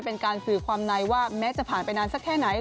เป็นการสื่อความในว่าแม้จะผ่านไปนานสักแค่ไหน